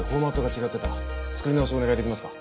作り直しお願いできますか？